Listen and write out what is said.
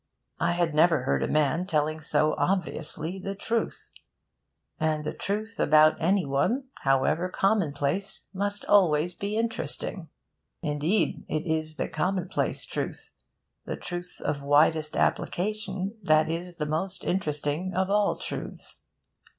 I had never heard a man telling so obviously the truth. And the truth about any one, however commonplace, must always be interesting. Indeed, it is the commonplace truth the truth of widest application that is the most interesting of all truths.